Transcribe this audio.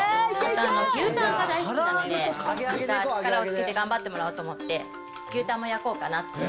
牛タンが大好きなので、力をつけて頑張ってもらおうと思って、牛タンも焼こうかなと。